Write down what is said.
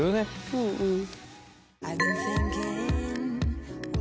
うんうん。